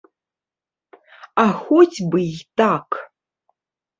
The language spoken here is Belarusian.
А хоць бы й так.